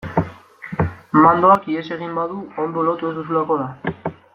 Mandoak ihes egin badu ondo lotu ez duzulako da.